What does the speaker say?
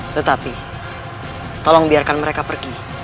tetapi tolong biarkan mereka pergi